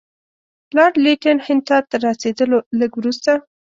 لارډ لیټن هند ته تر رسېدلو لږ وروسته.